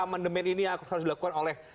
amandemen ini yang harus dilakukan oleh